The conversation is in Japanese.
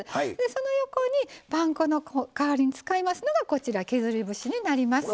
その横にパン粉の代わりに使いますのがこちら削り節になります。